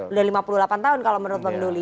udah lima puluh delapan tahun kalau menurut bang doli